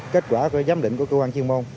kết quả giám định của cơ quan chuyên môn